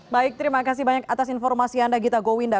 baik terima kasih banyak atas informasi anda gita gowinda